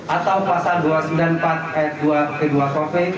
atau pasal dua ratus sembilan puluh dua kwp contoh pasal enam puluh lima kwp